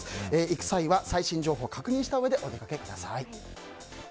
行く際は最新情報を確認したうえでお出かけください。